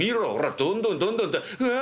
どんどんどんどんだうわ」。